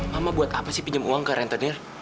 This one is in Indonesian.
mama buat apa sih pinjam uang ke rentenir